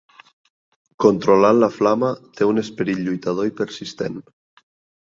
Controlant la flama, té un esperit lluitador i persistent.